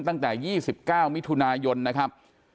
ตั้งแต่๒๙มิถุนายนนะครับ